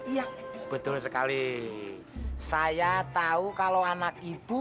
iya betul sekali saya tahu kalau anak ibu